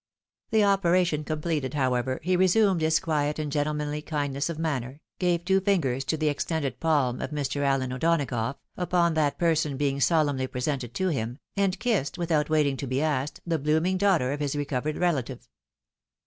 The operation completed, however, he resumed his quiet and gentlemanly kindness of manner, gave two fingers to the ex tended palm of Mr. Allen O'Donagough, upon that person being solemnly presented to him, and kissed, without waiting to' be asked, the blooming daughter of his recovered relative.